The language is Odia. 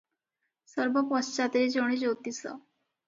ସର୍ବ ପଶ୍ଚାତ୍ ରେ ଜଣେ ଜ୍ୟୋତିଷ ।